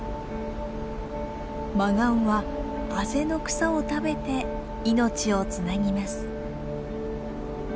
マガンはあぜの草を食べて命をつなぎます。